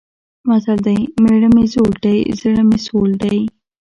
متل دی: مېړه مې زوړ دی، زړه مې سوړ دی.